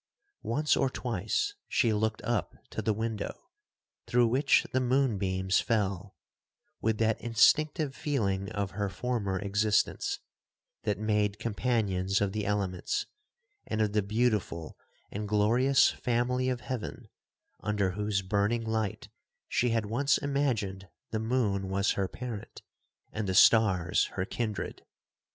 Once or twice she looked up to the window, through which the moon beams fell, with that instinctive feeling of her former existence, that made companions of the elements, and of the beautiful and glorious family of heaven, under whose burning light she had once imagined the moon was her parent, and the stars her kindred.